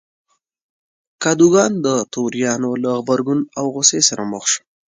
کادوګان د توریانو له غبرګون او غوسې سره مخ شو.